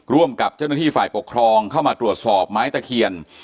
ร่วมกับเจ้าหน้าที่ฝ่ายปกครองเข้ามาตรวจสอบไม้ตะเคียน